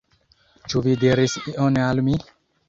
Ĉu vi diris ion al mi?